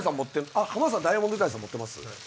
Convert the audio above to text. あっ浜田さんダイアモンドユカイさん持ってます？